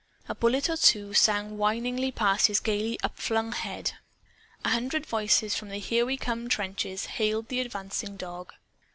A bullet or two sang whiningly past his gayly up flung head. A hundred voices from the Here We Come trenches hailed the advancing dog.